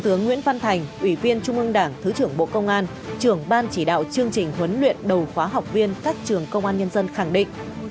tướng nguyễn văn thành ủy viên trung ương đảng thứ trưởng bộ công an trưởng ban chỉ đạo chương trình huấn luyện đầu khóa học viên các trường công an nhân dân khẳng định